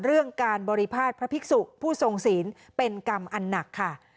เรื่องการบริพาทพระภิกษุผู้ทรงศีลเป็นกรรมอันหนักค่ะ